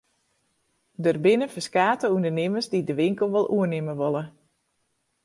Der binne ferskate ûndernimmers dy't de winkel wol oernimme wolle.